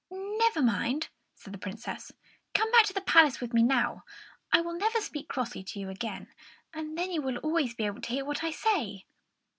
"Never mind!" said the Princess. "Come back to the palace with me now; I will never speak crossly to you again, and then you will always be able to hear what I say."